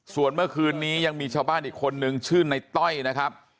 ส่วนเมื่อคืนนี้ยังมีชาวบ้านอีกคนนึงชื่อในต้อยนะครับ